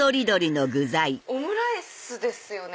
オムライスですよね？